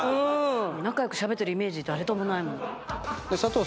仲良くしゃべってるイメージ誰ともないもん。